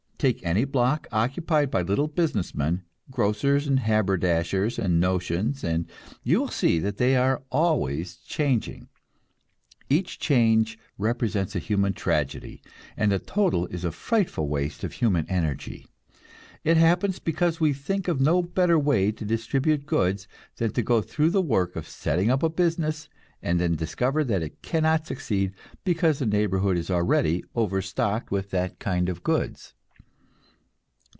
Take any block occupied by little business men, grocers and haberdashers and "notions," and you will see that they are always changing. Each change represents a human tragedy, and the total is a frightful waste of human energy; it happens because we can think of no better way to distribute goods than to go through the work of setting up a business, and then discover that it cannot succeed because the neighborhood is already overstocked with that kind of goods.